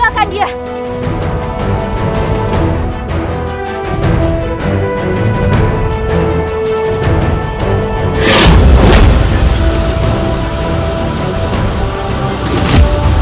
aku sudah selesai